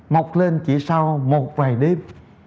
mọc lên chỉ sau một vài đêm